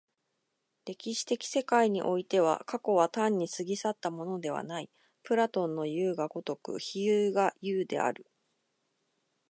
歴史的世界においては、過去は単に過ぎ去ったものではない、プラトンのいう如く非有が有である。